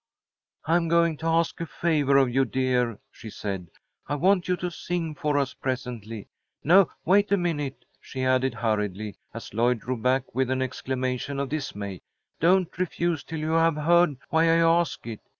"I'm going to ask a favour of you, dear," she said. "I want you to sing for us presently. No, wait a minute," she added, hurriedly, as Lloyd drew back with an exclamation of dismay. "Don't refuse till you have heard why I ask it.